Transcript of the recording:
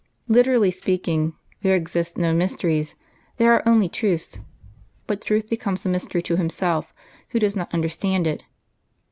, Literally speaking, there exist no mysteries, there are only truths ; but truth becomes a mystery to him who does not understand it.